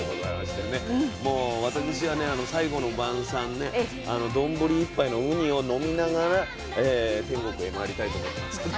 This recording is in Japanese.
もう私はね最後の晩餐ね丼１杯のウニをのみながら天国へ参りたいと思いますけど。